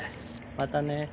またね。